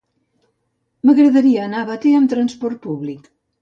M'agradaria anar a Batea amb trasport públic.